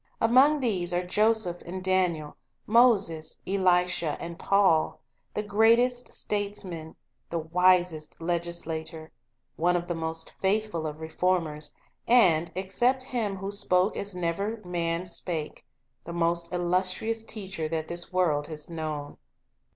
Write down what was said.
Among these are Joseph and Daniel, Moses, Elisha, and Paul, — the greatest statesmen, the wisest legislator, one of the most faithful of reformers, and, except Him who spoke as never man spake, the most illustrious teacher that this world has known.